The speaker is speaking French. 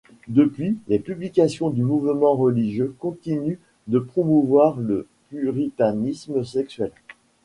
Depuis, les publications du mouvement religieux continuent de promouvoir le puritanisme sexuel.